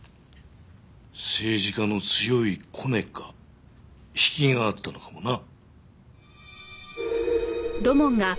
政治家の強いコネか引きがあったのかもな。